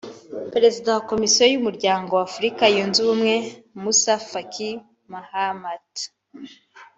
Perezida wa Komisiyo y’Umuryango wa Afurika Yunze Ubumwe Moussa Faki Mahamat